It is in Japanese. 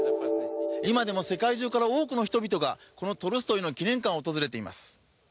今でも世界中から多くの人々がこのトルストイの記念館を訪れます。